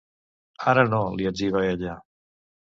Ara no, li etziba ella.